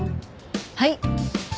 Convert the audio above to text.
はい。